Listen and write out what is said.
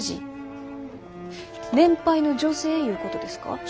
年配の女性いうことですか？